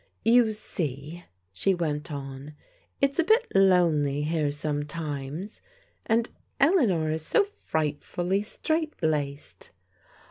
"You see," she went on, " it's a bit lonely here sometimes and Eleanor is so frightfully straight laced."